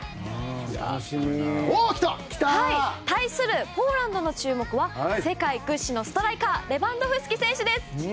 対するポーランドの注目は世界屈指のストライカーレバンドフスキ選手です。